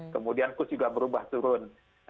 kemudian kurs juga berubah turun